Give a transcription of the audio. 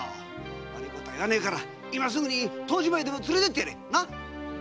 悪いことは言わねえから今すぐに湯治場にでも連れてってやれ！